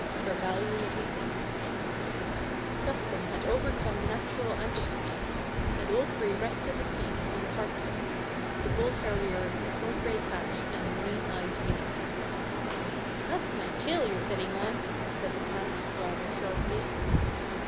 IV FOR VALUE RECEIVED CUSTOM had overcome natural antipathies, and all three rested in peace on the hearthrug the bull terrier, the smoke gray cat, and the mean eyed guinea Pig "That's my tail you're sitting on," said the cat, rather sharply.